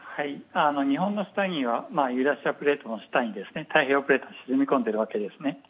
日本の下、ユーラシアプレートの下に、太平洋プレートが沈み込んでいるわけですね。